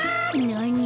なに？